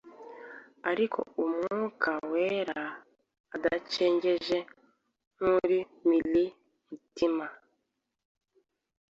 ariko Umwuka wera adacengeje nkuri Mil mutima,